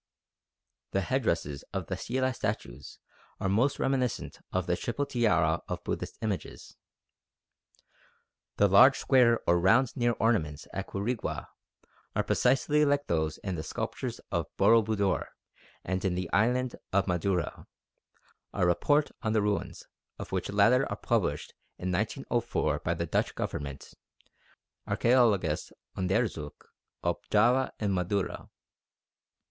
The headdresses of the stelae statues are most reminiscent of the triple tiara of Buddhist images. The large square or round ear ornaments at Quirigua are precisely like those in the sculptures of Boro Budor and in the island of Madura, a report on the ruins of which latter was published in 1904 by the Dutch Government (Archaeologisch Onderzoek op Java en Madura).